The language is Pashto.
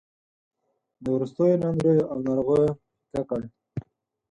د وروستیو ناندریو او ناروغیو پېکه کړ.